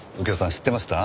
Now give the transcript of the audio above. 知ってました？